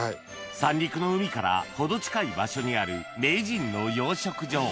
三陸の海から程近い場所にある名人の養殖場